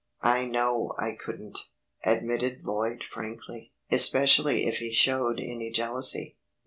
"I know I couldn't," admitted Lloyd frankly, "especially if he showed any jealousy.